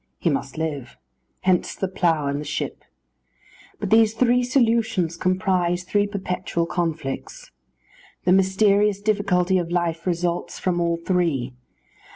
He must live; hence the plough and the ship. But these three solutions comprise three perpetual conflicts. The mysterious difficulty of life results from all three.